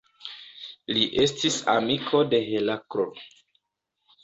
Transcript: Li estis amiko de Heraklo.